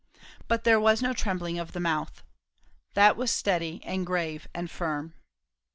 But there was no trembling of the mouth. That was steady and grave and firm.